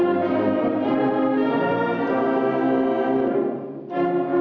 lagu kebangsaan indonesia raya